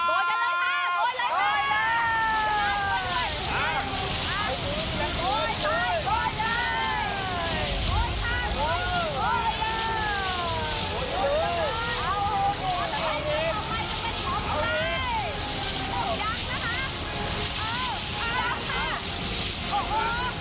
ได้เลยค่ะผู้โชคดีได้แก่คุณนัทธวุฒิโภเทศ